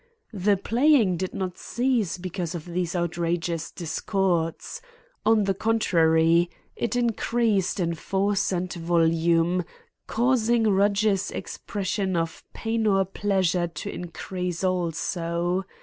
The playing did not cease because of these outrageous discords. On the contrary, it increased in force and volume, causing Rudge's expression of pain or pleasure to increase also.